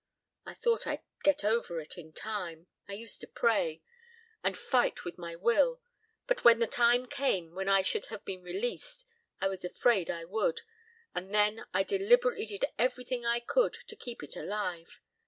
... I thought I'd get over it in time I used to pray and fight with my will but when the time came when I should have been released I was afraid I would, and then I deliberately did everything I could to keep it alive.